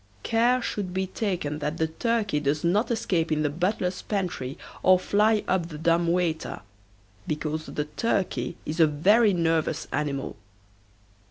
Care should be taken that the turkey does not escape in the butler's pantry or fly up the dumb waiter, because the turkey is a very nervous animal.